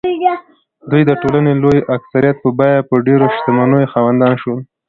دوی د ټولنې د لوی اکثریت په بیه د ډېرو شتمنیو خاوندان شول.